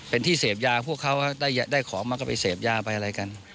เป็นที่เสพยาพวกเขาได้ของมันก็ไปเสพยาไปอะไรกัน